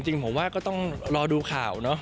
จริงผมว่าก็ต้องรอดูข่าวเนอะ